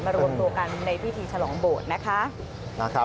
รวมตัวกันในพิธีฉลองโบสถ์นะคะ